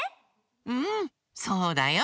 うんそうだよ。